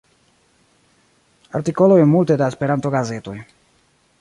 Artikoloj en multe da Esperanto-gazetoj.